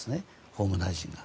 法務大臣が。